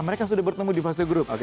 mereka sudah bertemu di fase grup